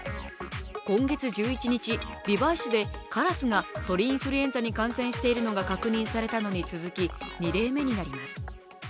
今月１１日、美唄市でカラスが鳥インフルエンザに感染しているのが確認されたのに続き、２例目になります。